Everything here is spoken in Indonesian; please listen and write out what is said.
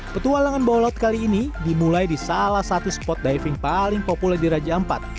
petualangan bawah laut kali ini dimulai di salah satu spot diving paling populer di raja ampat